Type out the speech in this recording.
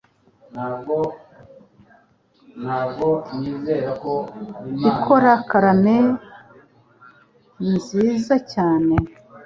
ikora karamel nziza cyane